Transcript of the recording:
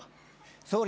総理。